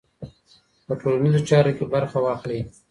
په ټولنیزو چارو کې برخه واخلئ.